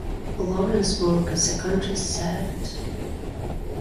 Lawrenceburg is the county seat of Lawrence County.